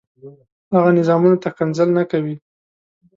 هغه نظامونو ته ښکنځل نه کوي.